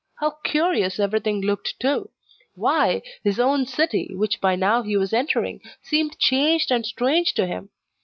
How curious everything looked too! Why, his own city, which by now he was entering, seemed changed and strange to him!